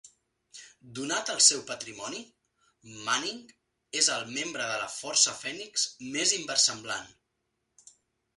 Donat el seu patrimoni, Manning és el membre de la Força Fènix més inversemblant.